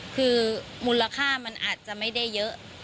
คือมูลค่ามันอาจจะไม่ได้เยอะ